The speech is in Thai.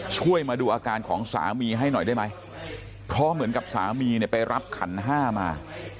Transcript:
ช่วยมาดูอาการของสามีให้หน่อยได้ไหมเพราะเหมือนกับสามีเนี่ยไปรับขันห้ามา